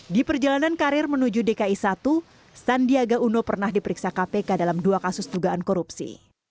di perjalanan karir menuju dki satu sandiaga uno pernah diperiksa kpk dalam dua kasus dugaan korupsi